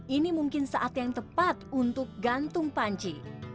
ini mungkin saat yang tepat untuk gantung panci